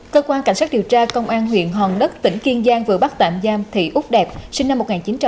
cơ quan cảnh sát điều tra công an huyện hòn đất tỉnh kiên giang vừa bắt tạm giam thị úc đẹp sinh năm một nghìn chín trăm tám mươi